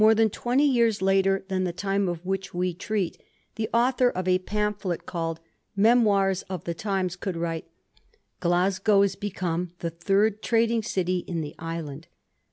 than twenty years later than the time of which we treat, the author of a pamphlet called * Memoirs of the Times' could write, * Glasgow is become the third trading city in the island.'